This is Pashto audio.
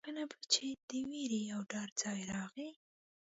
کله به چې د وېرې او ډار ځای راغی.